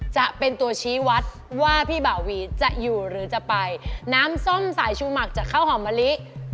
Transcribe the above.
จะเป็นตัวชี้วัดว่าพี่บ่าวีจะอยู่หรือจะไปน้ำส้มสายชูหมักจะข้าวหอมมะลิ